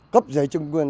cấp giấy chứng quyền